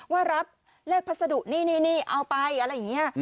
ว่ารับเลขพัสดุนี่เอาไปอะไรอย่างนี้